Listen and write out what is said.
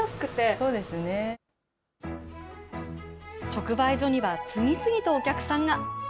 直売所には、次々とお客さんが。